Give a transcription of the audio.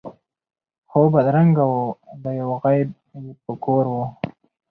خو بدرنګه وو دا یو عیب یې په کور وو